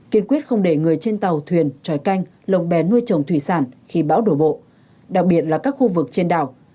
kiên quyết không để người trên tàu thuyền tròi canh lồng bè nuôi trồng thủy sản khi bão đổ bộ đặc biệt là các khu vực trên đảo